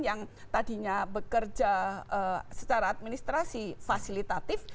yang tadinya bekerja secara administrasi fasilitatif